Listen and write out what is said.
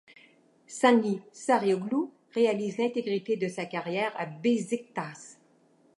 Sanlı Sarıalioğlu réalise l'intégralité de sa carrière à Beşiktaş.